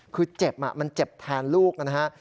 คือเจ็บมันเจ็บแทนลูกนะฮะ